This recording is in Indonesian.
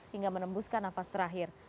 hingga menembuskan nafas terakhir